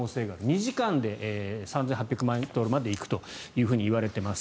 ２時間で３８００ｍまで行くというふうに言われています。